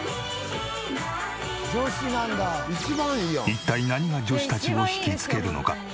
一体何が女子たちを引きつけるのか？